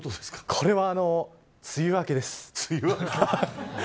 これは、梅雨明けです。